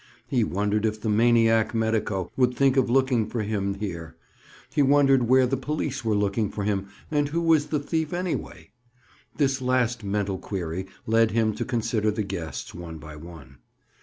He wondered if the maniac medico would think of looking for him (Bob) here? He wondered where the police were looking for him and who was the thief, anyway? This last mental query led him to consider the guests, one by one.